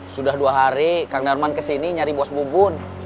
sudah dua hari kang darman kesini nyari bos bubun